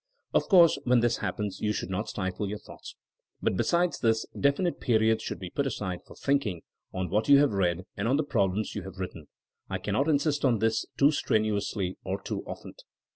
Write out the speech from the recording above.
Of course when this happens you should not stifle your thoughts. But besides this, definite periods should be put aside for thinking on what you have read and on the problems you have written. I cannot insist on this too stren uously or too often.